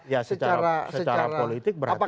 ya secara politik berarti